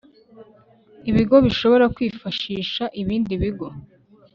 ibigo bishobora kwifashisha ibindi bigo